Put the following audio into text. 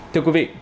thưa quý vị